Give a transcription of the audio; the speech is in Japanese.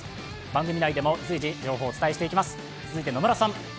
番組内でも随時情報をお伝えしていきます。